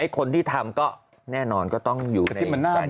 คนที่ทำก็แน่นอนก็ต้องอยู่ในสถานีมันชุม